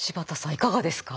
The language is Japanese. いかがですか？